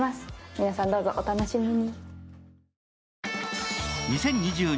皆さんどうぞお楽しみに。